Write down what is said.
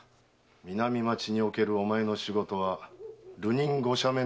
南町におけるお前の仕事は流人ご赦免の選別だ。